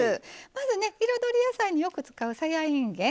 まずね彩り野菜によく使うさやいんげん。